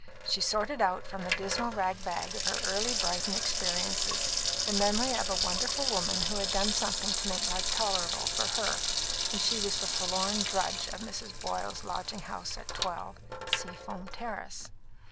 She sorted out from the dismal rag bag of her early Brighton experiences the memory of a wonderful woman who had done something to make life tolerable for her when she was the forlorn drudge of Mrs. Boyle's lodging house at 12, Seafoam Terrace.